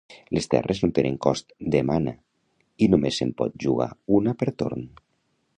Les terres no tenen cost de mana, i només se'n pot jugar una per torn.